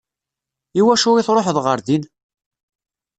I wacu i tṛuḥeḍ ɣer din?